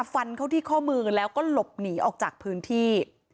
ฟันเข้าที่ข้อมือแล้วก็หลบหนีออกจากพื้นที่